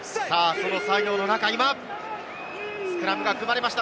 その作業の中、今スクラムが組まれました。